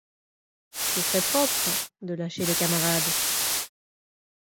Ce serait propre, de lâcher les camarades!